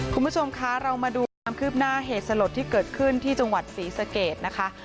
คุณผู้ชมคะเรามาดูความคืบหน้าเหตุสลดที่เกิดขึ้นที่จังหวัดศรีสะเกดนะคะ